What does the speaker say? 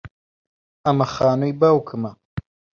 ئەمە خانووی باوکمە.